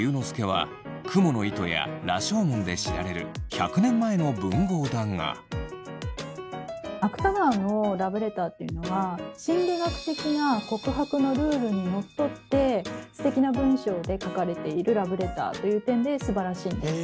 はいそれはですね芥川のラブレターっていうのは心理学的な告白のルールにのっとってすてきな文章で書かれているラブレターという点ですばらしいんです。